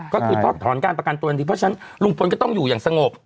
ก็คือทอดถอนการประกันตัวทันทีเพราะฉะนั้นลุงพลก็ต้องอยู่อย่างสงบ